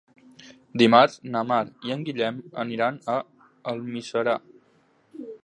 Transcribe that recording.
Dimarts na Mar i en Guillem aniran a Almiserà.